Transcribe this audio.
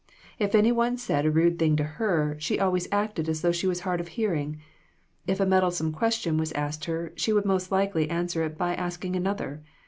If any one said a rude thing to her, she always acted as though she was hard of hearing. If a meddlesome question was asked her, she would most likely answer it by asking another.